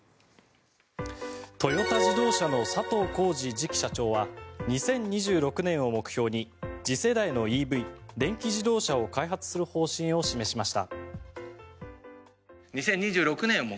トヨタ自動車の佐藤恒治次期社長は２０２６年を目標に次世代のＥＶ・電気自動車を開発する方針を示しました。